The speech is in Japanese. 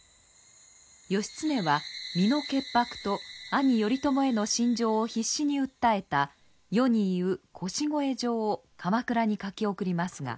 義経は身の潔白と兄頼朝への真情を必死に訴えた世に言う「腰越状」を鎌倉に書き送りますが。